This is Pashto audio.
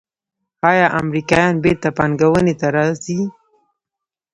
آیا امریکایان بیرته پانګونې ته راځí؟